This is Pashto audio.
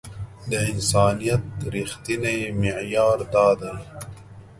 د انسانيت رښتينی معيار دا دی.